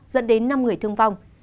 dẫn đến năm người thương vong